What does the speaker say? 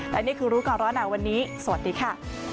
และนี่คือรู้ก่อนร้อนหนาวันนี้สวัสดีค่ะ